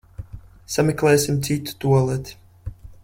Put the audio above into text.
Sameklēsim citu tualeti.